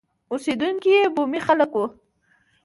اوسېدونکي یې بومي خلک وو.